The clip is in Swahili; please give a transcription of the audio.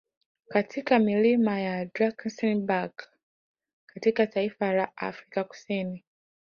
Mfano milima ya Drankesberg katika taifa la Afrika Kusini